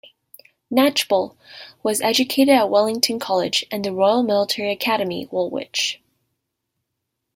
Knatchbull was educated at Wellington College and the Royal Military Academy, Woolwich.